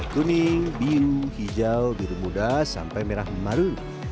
kuning biru hijau biru muda sampai merah maru